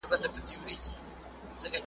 په اذان به یې وګړي روژه نه سي ماتولای `